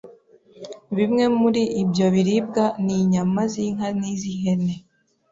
Bimwe muri ibyo biribwa ni inyama z’inka n’iz’ihene,